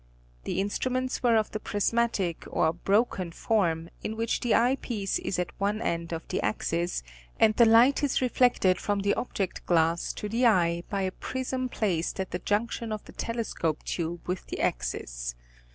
The instruments were of the prismatic or "broken" form in which the eye piece is at one end of the axis, and the light is reflected from the object glass to the eye by a prism placed at the junction of the telescope tube with the axis.